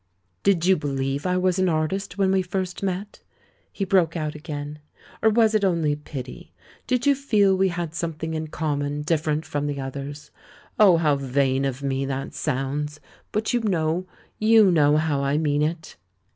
"Did you believe I was an artist when we first met," he broke out again, "or was it only pity? Did you feel we had something in common dif ferent from the others? Oh, how vain of me that sounds ! But you loiow — you know how I mean it!"